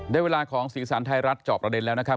ได้เวลาของสีสันไทยรัฐจอบประเด็นแล้วนะครับ